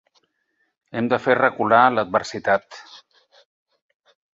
Hem de fer recular l'adversitat.